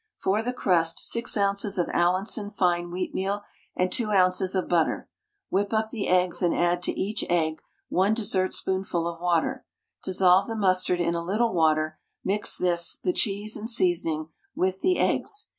For the crust 6 oz. of Allinson fine wheatmeal, and 2 oz. of butter. Whip up the eggs and add to each egg 1 dessertspoonful of water. Dissolve the mustard in a little water; mix this, the cheese and seasoning with the eggs.